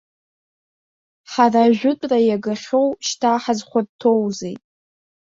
Ҳара ажәытәра иагахьоу, шьҭа ҳазхәарҭоузеи.